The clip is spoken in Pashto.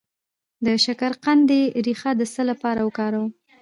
د شکرقندي ریښه د څه لپاره وکاروم؟